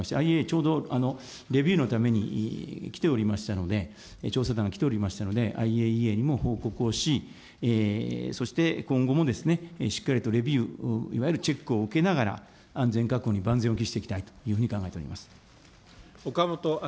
ちょうど、レビューのために来ておりましたので、調査団が来ておりましたので、ＩＡＥＡにも報告をし、そして、今後もしっかりとレビュー、いわゆるチェックを受けながら、安全確保に万全を期していきたいと考えております。